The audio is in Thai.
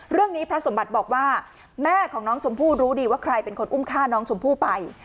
พระสมบัติบอกว่าแม่ของน้องชมพู่รู้ดีว่าใครเป็นคนอุ้มฆ่าน้องชมพู่ไป